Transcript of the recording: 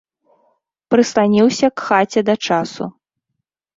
Прысланіўся к хаце да часу.